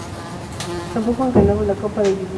Tampoco han ganado la Copa de Yibuti.